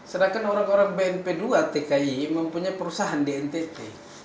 sedangkan orang orang bnp dua tki mempunyai perusahaan di ntt